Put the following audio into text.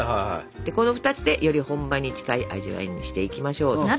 この２つでより本場に近い味わいにしていきましょう。